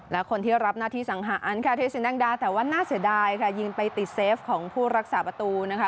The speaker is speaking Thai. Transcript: และคนที่รับหน้าที่สังหารอันคาเทสินแดงดาแต่ว่าน่าเสียดายค่ะยิงไปติดเซฟของผู้รักษาประตูนะคะ